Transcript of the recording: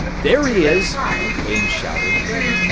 "There he is!" Ames shouted.